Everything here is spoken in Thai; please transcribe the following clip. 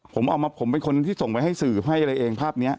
ผมเอามาผมเป็นคนที่ส่งไว้ให้สื่อให้อะไรเองภาพนี้